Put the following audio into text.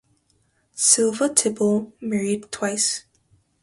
Silva Tipple married twice.